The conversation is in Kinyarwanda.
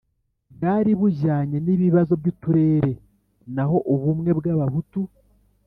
bwari bujyanye n ibibazo by uturere naho ubumwe bw Abahutu